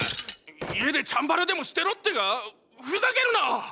家でチャンバラでもしてろってか⁉ふざけるな！！